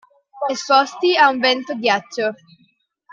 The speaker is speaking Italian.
Esposti a un vento ghiaccio.